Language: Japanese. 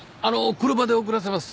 車で送らせます。